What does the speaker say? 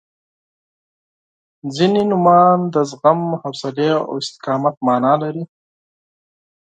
• ځینې نومونه د زغم، حوصلې او استقامت معنا لري.